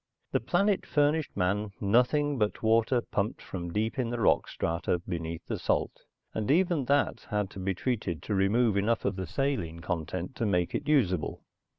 The planet furnished man nothing but water pumped from deep in the rock strata beneath the salt, and even that had to be treated to remove enough of the saline content to make it usable.